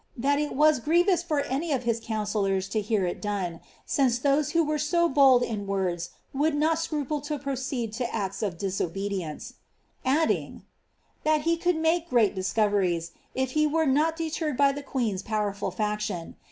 That it was grievous for any of his counsellors to hear it done, since those who were so bold in words would not scruple to proceed to acts of disobedience ;" adding, *^ that he could make great discoveries, if he were not deterred by the queen ^8 powerful faction.